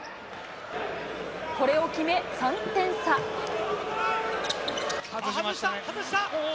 これを決め、３点差。外しましたね。